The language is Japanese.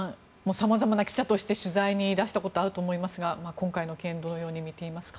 様々な記者として取材にいらしたことがあると思いますが今回の件をどのように見ていますか？